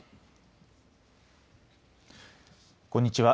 こんにちは。